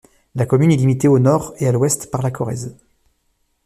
La commune est limitée au nord et à l'ouest par la Corrèze.